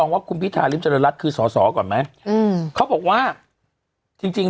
ว่าคุณพิธาริมเจริญรัฐคือสอสอก่อนไหมอืมเขาบอกว่าจริงจริง